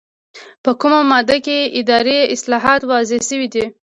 په کومه ماده کې اداري اصلاحات واضح شوي دي؟